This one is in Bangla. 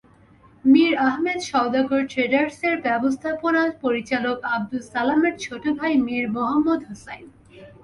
মীর আহমেদ সওদাগর ট্রেডার্সের ব্যবস্থাপনা পরিচালক আবদুস সালামের ছোট ভাই মীর মোহাম্মদ হোসাইন।